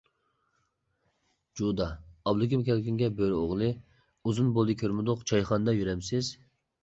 جۇدا:ئابلىكىم كەلكۈنگە بۆرە ئوغلى: ئۇزۇن بولدى كۆرمىدۇق، «چايخانىدا» يۈرەمسىز.